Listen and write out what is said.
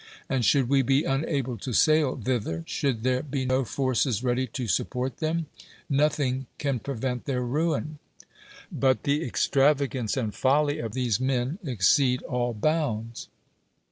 And should we be unable to sail thither, should there be no forces ready to support them, nothing can prevent th^ir ruin. "But the ex ];24 DEMOSTHENES travairance and folly of these men exceed all bounds."